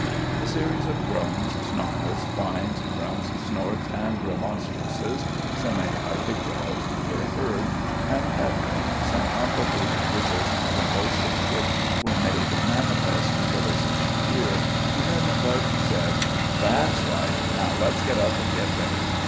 A series of groans, snarls, whines, grunts, snorts, and remonstrances semi articulate were heard, and at length some complicated wriggles and convulsive kicks were made manifest to the listening ear, and then Budge said: "That's right; now let's get up an' get ready.